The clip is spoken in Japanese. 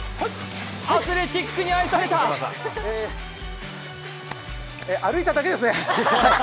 アスレチックに愛された歩いただけですね。